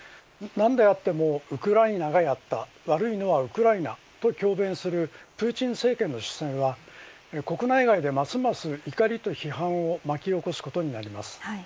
何であってもウクライナがやった悪いのはウクライナだと強弁するプーチン政権の姿勢は国内外で、ますます怒りと批判を巻き起こすことになります。